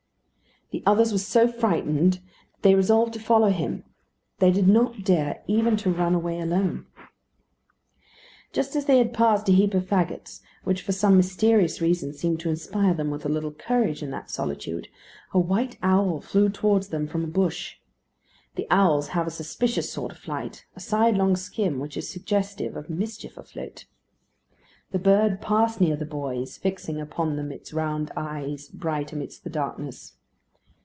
The others were so frightened that they resolved to follow him. They did not dare even to run away alone. Just as they had passed a heap of fagots, which for some mysterious reason seemed to inspire them with a little courage in that solitude, a white owl flew towards them from a bush. The owls have a suspicious sort of flight, a sidelong skim which is suggestive of mischief afloat. The bird passed near the boys, fixing upon them its round eyes, bright amidst the darkness.